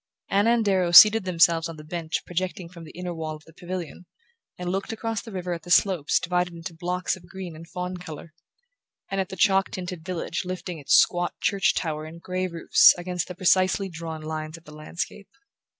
Anna and Darrow seated themselves on the bench projecting from the inner wall of the pavilion and looked across the river at the slopes divided into blocks of green and fawn colour, and at the chalk tinted village lifting its squat church tower and grey roofs against the precisely drawn lines of the landscape.